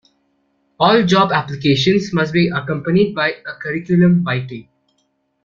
All job applications must be accompanied by a curriculum vitae